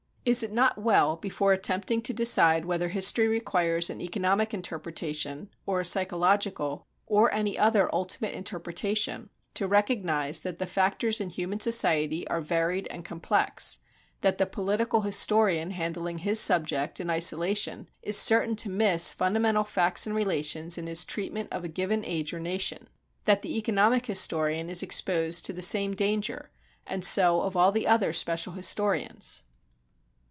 Is it not well, before attempting to decide whether history requires an economic interpretation, or a psychological, or any other ultimate interpretation, to recognize that the factors in human society are varied and complex; that the political historian handling his subject in isolation is certain to miss fundamental facts and relations in his treatment of a given age or nation; that the economic historian is exposed to the same danger; and so of all of the other special historians?